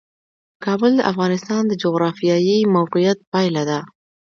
کابل د افغانستان د جغرافیایي موقیعت پایله ده.